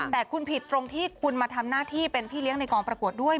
แต่คุณผิดตรงที่คุณมาทำหน้าที่เป็นพี่เลี้ยงในกองประกวดด้วย